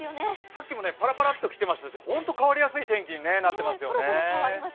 さっきもパラパラときていまして、ホント変わりやすい天気になってますよね。